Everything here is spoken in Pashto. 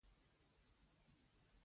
ژوندي جنګ نه غواړي